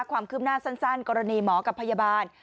ความคืบหน้าสั้นกรณีหมอกับพยาบาล